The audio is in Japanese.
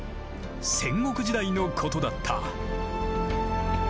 戦国時代のことだった。